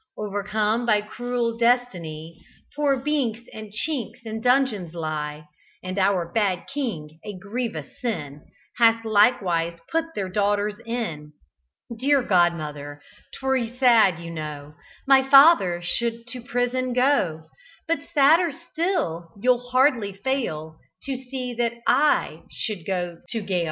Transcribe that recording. O'ercome by cruel destiny, Poor Binks and Chinks in dungeons lie, And our bad king a grievous sin Hath likewise put their daughters in. Dear godmother! 'twere sad, you know, My father should to prison go; But sadder still (you'll hardly fail To see) that I should go to gaol.